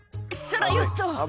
「そらよっと！」